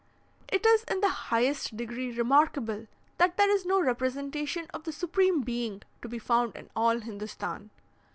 "It is in the highest degree remarkable that there is no representation of the Supreme Being to be found in all Hindostan.